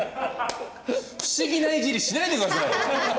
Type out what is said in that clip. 不思議ないじりしないでください！